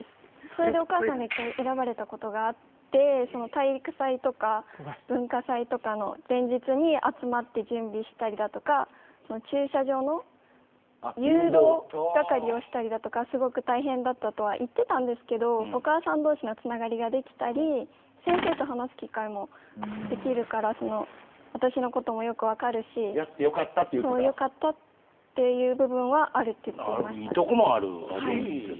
それで、お母さんが選ばれたことがあって体育祭とか文化祭とかの前日に集まって準備したり駐車場の誘導係をしたりだとかすごく大変だったとは言ってたんですけどお母さん同士のつながりができたり先生と話す機会もできるから私のことも、よく分かるしやって良かったという部分もあると言っていました。